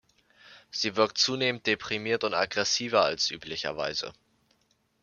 Sie wirkt zunehmend deprimiert und aggressiver als üblicherweise.